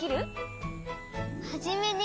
「はじめに」